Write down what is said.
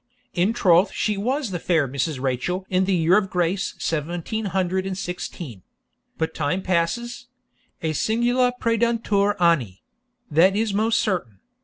In troth she was the fair Mrs. Rachel in the year of grace seventeen hundred and sixteen; but time passes et singula praedantur anni that is most certain.